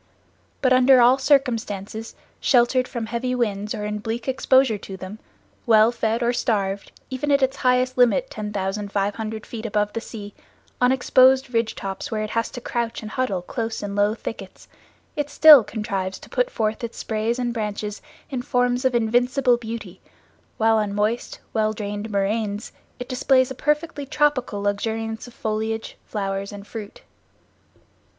But under all circumstances, sheltered from heavy winds or in bleak exposure to them, well fed or starved, even at its highest limit, 10,500 feet above the sea, on exposed ridge tops where it has to crouch and huddle close in low thickets, it still contrives to put forth its sprays and branches in forms of invincible beauty, while on moist, well drained moraines it displays a perfectly tropical luxuriance of foliage, flowers and fruit.